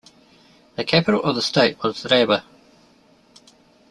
The capital of the state was Rewa.